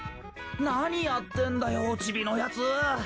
何やってんだよおチビのヤツ！